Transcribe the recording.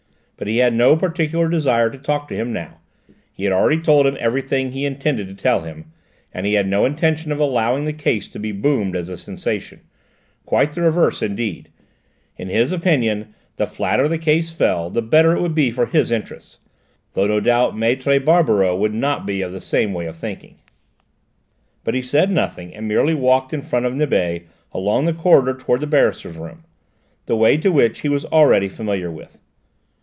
But he had no particular desire to talk to him now; he had already told him everything he intended to tell him, and he had no intention of allowing the case to be boomed as a sensation; quite the reverse indeed: in his opinion, the flatter the case fell, the better it would be for his interests, though no doubt Maître Barberoux would not be of the same way of thinking. But he said nothing, and merely walked in front of Nibet along the corridor towards the barristers' room, the way to which he was already familiar with.